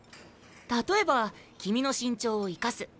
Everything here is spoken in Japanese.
例えば君の身長を生かす。